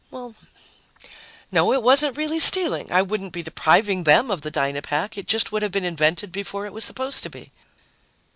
Well, no, it wasn't really stealing. I wouldn't be depriving them of the Dynapack. It just would have been invented before it was supposed to be.